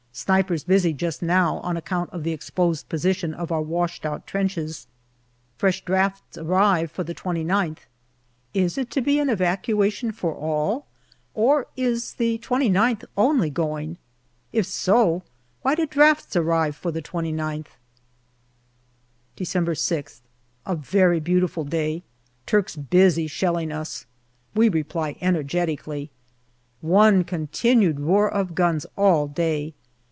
Snipers busy just now, on account of the exposed position of our washed out trenches. Fresh drafts arrive for the 29th. Is it to be an evacuation for all, or is the 2Qth only going. If so, why do drafts arrive for the 2Qth ? December 6th. A very beautiful day. Turks busy shelling us. We reply energetically. One continued roar of guns all day.